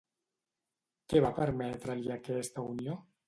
Què va permetre-li aquesta unió?